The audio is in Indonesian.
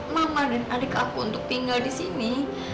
mama dan adik aku untuk tinggal disini